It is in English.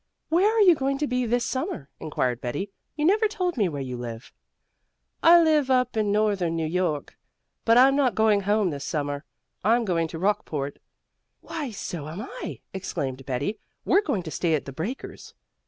"Where are you going to be this summer?" inquired Betty. "You never told me where you live." "I live up in northern New York, but I'm not going home this summer. I'm going to Rockport " "Why, so am I!" exclaimed Betty. "We're going to stay at The Breakers."